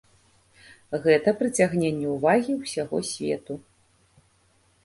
Гэта прыцягненне ўвагі ўсяго свету.